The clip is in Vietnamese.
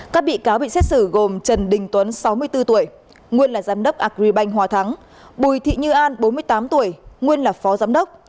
các bị cáo bị xét xử gồm trần đình tuấn sáu mươi bốn tuổi nguyên là giám đốc agribank hòa thắng bùi thị như an bốn mươi tám tuổi nguyên là phó giám đốc